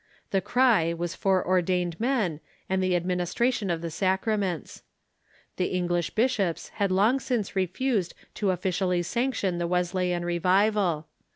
The cry was for ordained men and the administration of the sacraments. The English bishops had long since refused to officially sanction the Wes leyan revival.